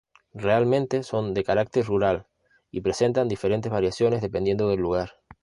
Realmente son de carácter rural, y presentan diferentes variaciones dependiendo del lugar.